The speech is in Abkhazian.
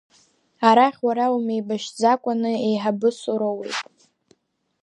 Арахь уара умеибашьӡакәаны еиҳабыс уроуит.